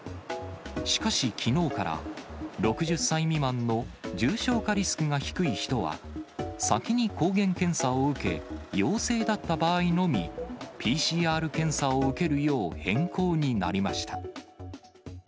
しかしきのうから、６０歳未満の重症化リスクが低い人は、先に抗原検査を受け、陽性だった場合のみ、ＰＣＲ検査を受けるよう変更になりました。